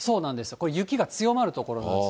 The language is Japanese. これ、雪が強まる所なんです。